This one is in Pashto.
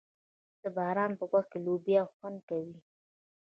د باران په وخت کې لوبه خوند کوي.